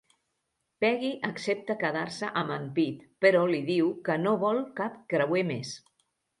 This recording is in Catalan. Peggy accepta quedar-se amb en Pete però li diu que no vol cap creuer més.